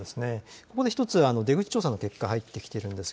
ここで１つ、出口調査の結果が１つ、入ってきています。